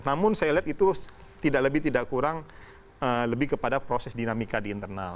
namun saya lihat itu tidak lebih tidak kurang lebih kepada proses dinamika di internal